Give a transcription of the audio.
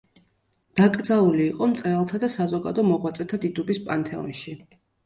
დაკრძალული იყო მწერალთა და საზოგადო მოღვაწეთა დიდუბის პანთეონში.